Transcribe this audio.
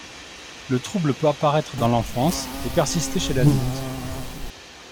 Le trouble peut apparaître dans l'enfance et persister chez l'adulte.